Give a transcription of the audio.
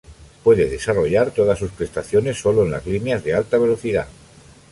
Puede desarrollar todas sus prestaciones solo en las líneas de alta velocidad.